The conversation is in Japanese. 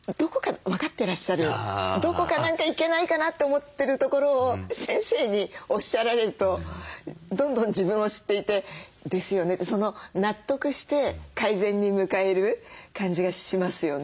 どこか何かいけないかなと思ってるところを先生におっしゃられるとどんどん自分を知っていて「ですよね」って納得して改善に向かえる感じがしますよね。